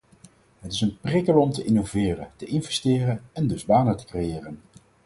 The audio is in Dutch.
Het is een prikkel om te innoveren, te investeren en dus banen te creëren.